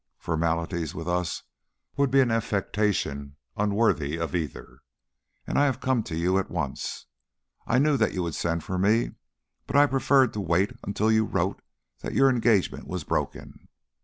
"Formalities with us would be an affectation unworthy of either, and I have come to you at once. I knew that you would send for me, but I preferred to wait until you wrote that your engagement was broken.